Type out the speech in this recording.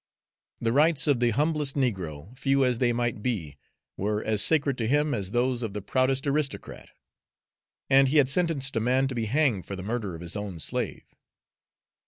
The rights of the humblest negro, few as they might be, were as sacred to him as those of the proudest aristocrat, and he had sentenced a man to be hanged for the murder of his own slave.